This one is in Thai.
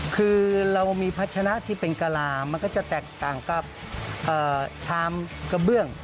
คือเรามีพัชนะที่เป็นกะลามันก็จะแตกต่างกับชามกระเบื้อง